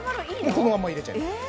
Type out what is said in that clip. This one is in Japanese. もうこのまま入れちゃいます